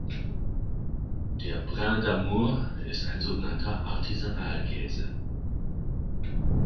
Der Brin d'Amour ist ein sogenannter Artisanal-Käse.